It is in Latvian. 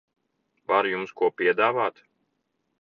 Varu jums ko piedāvāt?